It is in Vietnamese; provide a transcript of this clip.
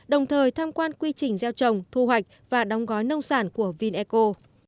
đồng thời tham quan quy trình gieo trồng thu hoạch và đóng gói nông sản của vineco